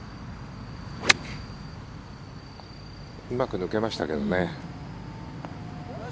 うまく抜けましたけどね。